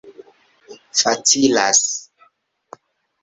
facilas